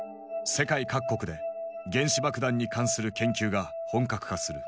世界各国で原子爆弾に関する研究が本格化する。